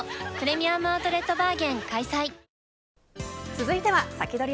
続いてはサキドリ！